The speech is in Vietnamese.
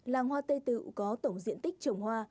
làng hoa tây tự có tổng diện tích trồng hoa